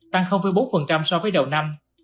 tăng bốn so với đầu năm